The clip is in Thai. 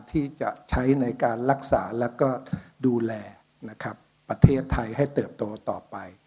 ที่จะใช้ในการรักษาและดูแลประเทศไทยให้เติบโตต่อไป